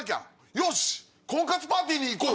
よし婚活パーティーに行こう！」。